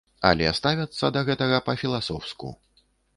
Але ставяцца да гэтага па-філасофску.